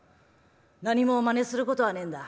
何もまねすることはねえんだ。